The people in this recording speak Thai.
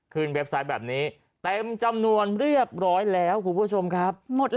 เว็บไซต์แบบนี้เต็มจำนวนเรียบร้อยแล้วคุณผู้ชมครับ